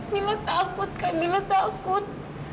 mila takut kak mila takut